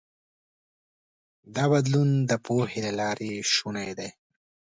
دا بدلون د پوهې له لارې شونی دی.